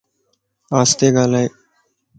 آستي ڳالائي